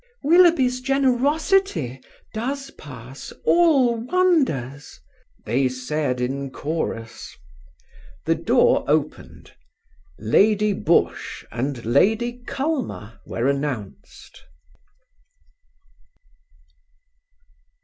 "Willoughby's generosity does pass all wonders," they said in chorus. The door opened; Lady Busshe and Lady Culmer were announced.